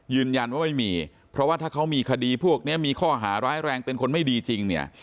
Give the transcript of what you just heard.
ยืนยันว่าไม่มีเพราะว่าถ้าเขามีคดีพวกนี้มีข้อหาร้ายแรงเป็นคนไม่ดีจริงเนี่ย